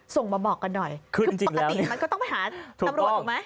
ส่งมาบอกกันหน่อยคือปกติมันก็ต้องไปหาตำรวจถูกไหม